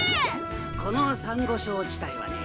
このサンゴ礁地帯はね